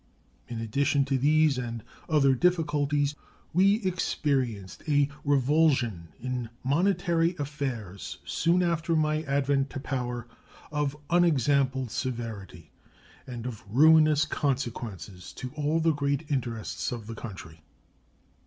In addition to these and other difficulties, we experienced a revulsion in monetary affairs soon after my advent to power of unexampled severity and of ruinous consequences to all the great interests of the country.